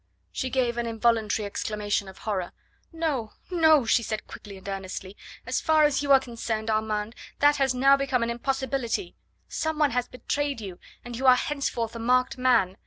She gave an involuntary exclamation of horror. "No, no!" she said quickly and earnestly; "as far as you are concerned, Armand, that has now become an impossibility. Some one has betrayed you, and you are henceforth a marked man.